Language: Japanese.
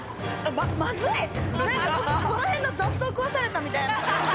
その辺の雑草食わされたみたいな感じ。